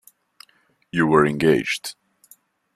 You were engaged.